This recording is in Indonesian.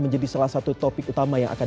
menjadi salah satu topik utama yang akan